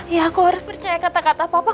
ya aku harus percaya kata kata papa